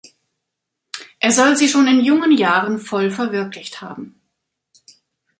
Er soll sie schon in jungen Jahren voll verwirklicht haben.